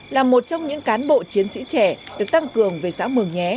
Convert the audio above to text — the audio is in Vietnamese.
là một trong những cán bộ chiến sĩ trẻ được tăng cường về xã mường nhé